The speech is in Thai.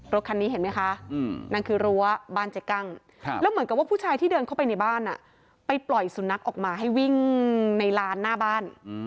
รถคันนี้เห็นไหมคะนั่นคือรั้วบ้านเจ๊กั้งแล้วเหมือนกับว่าผู้ชายที่เดินเข้าไปในบ้านไปปล่อยสุนัขออกมาให้วิ่งในร้านหน้าบ้าน